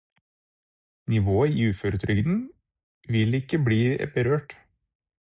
Nivået i uføretrygden vil ikke bli berørt.